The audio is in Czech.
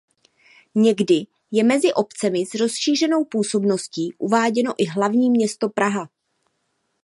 Někdy je mezi obcemi s rozšířenou působností uváděno i Hlavní město Praha.